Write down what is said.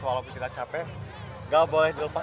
walaupun kita capek gak boleh dilepas